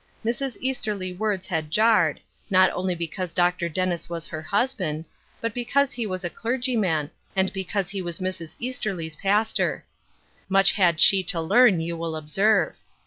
Mrs. Eas^ erly's words had jarred, not only because Dr. Dennis was her husband, but because he was a clergyman, and because he was Mrs. Easterly's pastor. Much had she to learn, you will observe